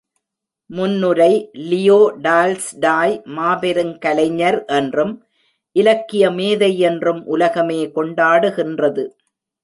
முன்னுரை Leo Tolstoy மாபெருங் கலைஞர் என்றும், இலக்கிய மேதை என்றும் உலகமே கொண்டாடுகின்றது.